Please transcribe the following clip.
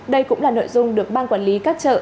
đây cũng là nội dung được ban quản lý các chợ